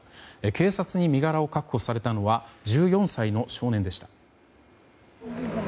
警察に身柄を確保されたのは１４歳の少年でした。